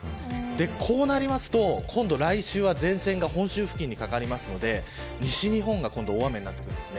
こうなると来週は前線が本州付近にかかりますので西日本の方が大雨になってくるんです。